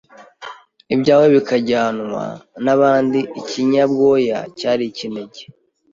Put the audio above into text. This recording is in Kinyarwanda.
ibyawe bikajyanwa n'abandi Ikinyabwoya cyari ikinege